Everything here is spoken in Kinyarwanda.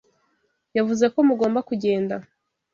Yavuze ko mugomba kugenda.